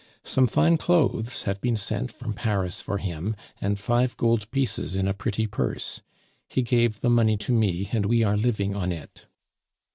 Some fine clothes have been sent from Paris for him, and five gold pieces in a pretty purse. He gave the money to me, and we are living on it.